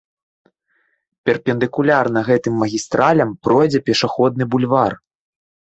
Перпендыкулярна гэтым магістралям пройдзе пешаходны бульвар.